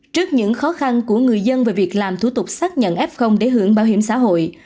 trước những khó khăn của người dân về việc làm thủ tục xác nhận f để hưởng bảo hiểm xã hội